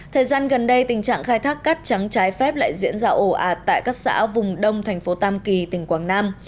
thời gian gần đây tình trạng khai thác cắt trắng trái phép lại diễn ra ổ ả tại các xã vùng đông thành phố tam kỳ tỉnh quảng nam